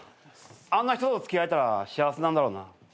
あんな人と付き合えたら幸せなんだろうな。